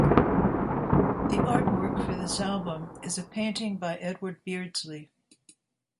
The artwork for this album is a painting by Edward Beardsley.